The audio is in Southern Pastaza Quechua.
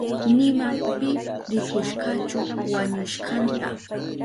Nima pi rikushkachu wañushkanta.